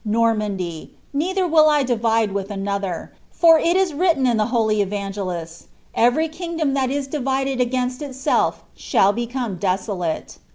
Iformandy, neither will f divide with another; for it is written in iht holy evnugelists, ^ Evnry kiogilom that is divided against iiselT shdl become draolaie.'